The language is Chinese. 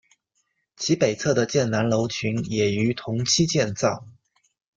其北侧的建南楼群也于同期建造。